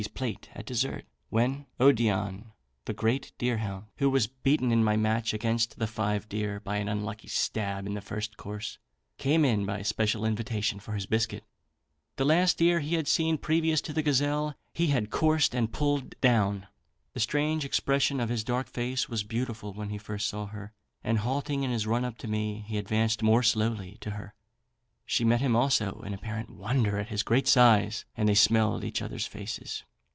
's plate at dessert, when Odion, the great deerhound, who was beaten in my match against the five deer by an unlucky stab in the first course, came in by special invitation for his biscuit. The last deer he had seen previous to the gazelle he had coursed and pulled down. The strange expression of his dark face was beautiful when he first saw her; and halting in his run up to me, he advanced more slowly directly to her, she met him also in apparent wonder at his great size, and they smelled each others' faces.